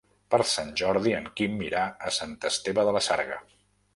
Per Sant Jordi en Quim irà a Sant Esteve de la Sarga.